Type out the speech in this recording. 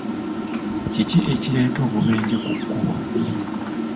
Kiki ekireeta obubenje ku kkubo ?